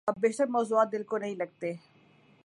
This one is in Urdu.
اب بیشتر موضوعات دل کو نہیں لگتے۔